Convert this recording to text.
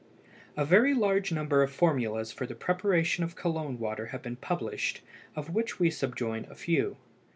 A very large number of formulas for the preparation of Cologne water have been published of which we subjoin a few.